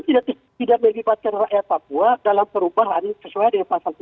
kita tidak mengibatkan rakyat papua dalam perubahan sesuai dengan pasal tujuh puluh tujuh